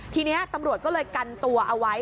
ทีนี้ตำรวจก็เลยกันตัวเอาไว้